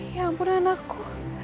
ya ampun anakku